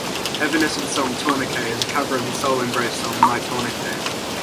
Evanescence's song "Tourniquet" is a cover of the Soul Embraced song "My Tourniquet".